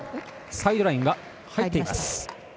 サイドライン、入っています。